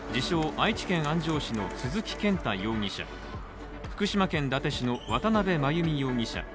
・愛知県安城市の鈴木健太容疑者、福島県伊達市の渡邉真由美容疑者。